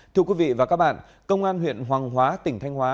thưa quý vị và các bạn công an huyện hoàng hóa tỉnh thanh hóa